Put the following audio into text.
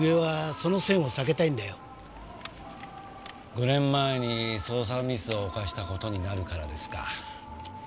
５年前に捜査ミスを犯した事になるからですか。